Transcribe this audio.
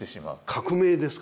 革命ですから。